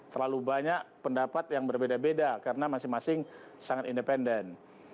terlalu banyak pendapat yang berbeda beda karena masing masing sangat independen